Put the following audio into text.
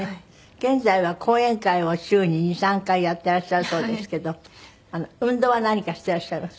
現在は講演会を週に２３回やっていらっしゃるそうですけど運動は何かしていらっしゃいます？